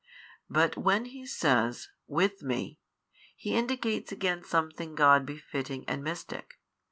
But when He says, With Me, He indicates again something God befitting and Mystic.